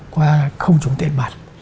qua không trùng tiền mặt